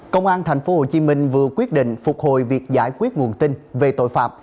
công an tp hcm vừa quyết định phục hồi việc giải quyết nguồn tin về tội phạm